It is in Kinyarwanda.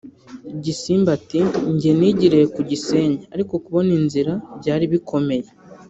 Gisimba ati “Njye nigiriye ku Gisenyi ariko kubona inzira byari bikomeye